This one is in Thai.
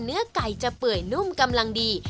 เนื้อไก่จะเปื่อยนุ่มกำลังดี